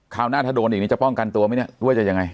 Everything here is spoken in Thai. หน้าถ้าโดนอีกนี้จะป้องกันตัวไหมเนี่ยหรือว่าจะยังไง